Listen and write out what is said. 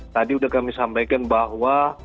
tadi sudah kami sampaikan bahwa